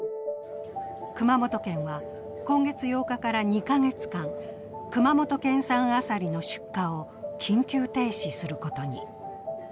熊本県は今月８日から２カ月間、熊本県産アサリの出荷を緊急停止することに。